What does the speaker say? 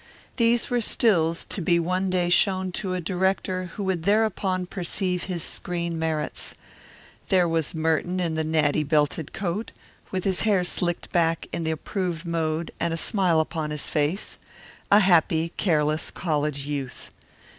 These were stills to be one day shown to a director who would thereupon perceive his screen merits. There was Merton in the natty belted coat, with his hair slicked back in the approved mode and a smile upon his face; a happy, careless college youth.